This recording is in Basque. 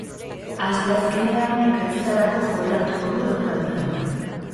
Asteazkenean ekaitzetarako joera hartuko du eguraldiak.